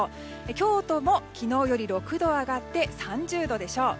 京都も昨日よる６度上がって３０度でしょう。